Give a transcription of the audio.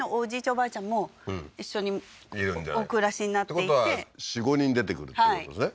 おばあちゃんも一緒にお暮らしになっていてってことは４５人出てくるっていうことですね？